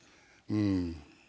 うん。